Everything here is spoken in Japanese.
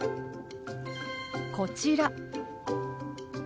こちら。